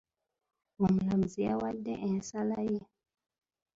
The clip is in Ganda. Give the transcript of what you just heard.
Omulamuzi yawadde ensala ye.